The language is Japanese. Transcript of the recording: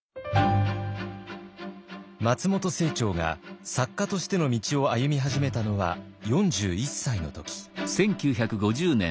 松本清張が作家としての道を歩み始めたのは４１歳の時。